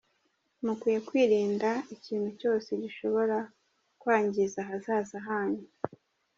Mukwiye kwirinda ikintu cyose gishobora kwangiza ahazaza hanyu."